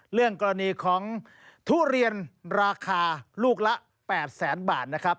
เรื่องกรณีของทุเรียนราคาลูกละ๘แสนบาทนะครับ